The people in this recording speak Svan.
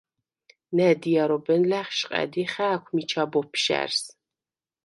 ნა̈დიარობენ ლა̈ხშყა̈დ ი ხა̄̈ქვ მიჩა ბოფშა̈რს: